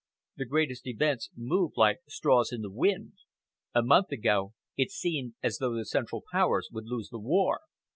The greatest events move like straws in the wind. A month ago, it seemed as though the Central Powers would lose the war."